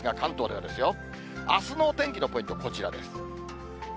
あすの天気のポイント、こちらです。